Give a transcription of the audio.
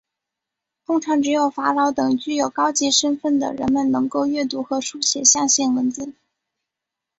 通常只有法老等具有高级身份的人们能够阅读和书写象形文字。